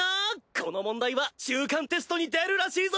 この問題は中間テストに出るらしいぞ！